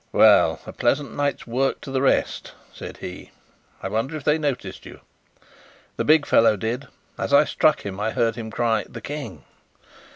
"Well, a pleasant night's work to the rest!" said he. "I wonder if they noticed you?" "The big fellow did; as I stuck him I heard him cry, 'The King!